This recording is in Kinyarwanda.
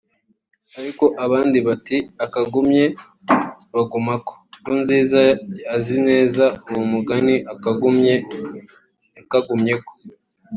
ariko abandi bati “Akagumye bagumako” Nkurunziza azi neza uwo mugani akagumye yakagumyeko